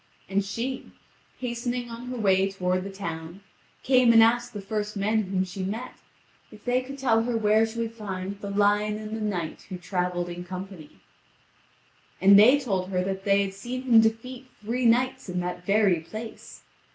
And she, hastening on her way toward the town, came and asked the first men whom she met, if they could tell her where she would find the lion and the knight who travelled in company. And they told her that they had seen him defeat three knights in that very place.